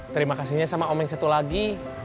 terima kasihnya sama om yang satu lagi